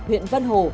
huyện vân hồ